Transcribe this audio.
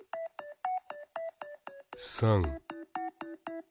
３。